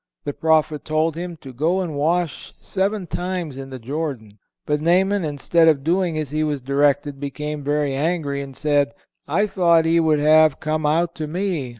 The prophet told him to go and wash seven times in the Jordan; but Naaman, instead of doing as he was directed, became very angry, and said: "I thought he would have come out to me